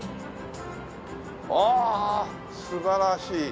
ああ素晴らしい。